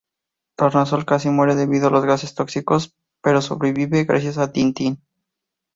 Tornasol casi muere debido a los gases tóxicos, pero sobrevive gracias a Tintín.